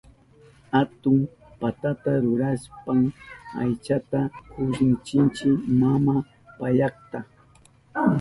Atun patata rurashpan aychata kushnichin maman payaka.